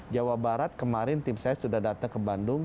jawa barat kemarin tim saya sudah datang ke bandung